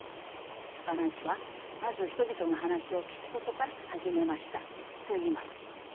バラン氏は「まず人々の話を聞くことから始めました」と言います。